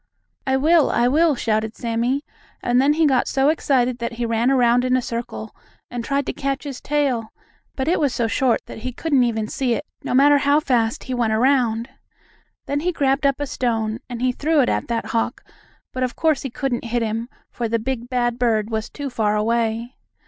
"I will! I will!" shouted Sammie, and then he got so excited that he ran around in a circle, and tried to catch his tail, but it was so short that he couldn't even see it, no matter how fast he went around. Then he grabbed up a stone, and he threw it at that hawk, but of course he couldn't hit him, for the big, bad bird was too far away.